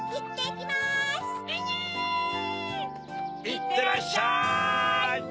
いってらっしゃい！